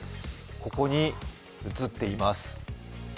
ここに映っています。